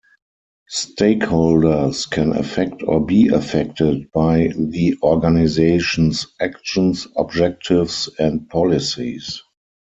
Stakeholders can affect or be affected by the organization's actions, objectives and policies.